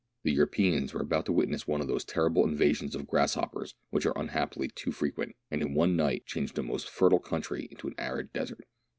The Europeans were about to witness one of those terrible invasions of grass hoppers which are unhappily too frequent, and in one night change the most fertile country into an arid desert.